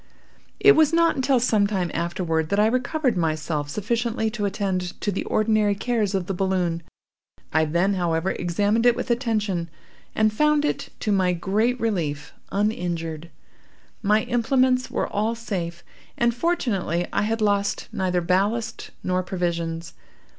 "It was not until some time afterward that I recovered myself sufficiently to attend to the ordinary cares of the balloon. I then, however, examined it with attention, and found it, to my great relief, uninjured. My implements were all safe, and, fortunately, I had lost neither ballast nor provisions.